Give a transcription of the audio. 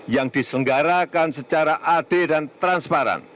yang diselenggarakan secara adil dan transparan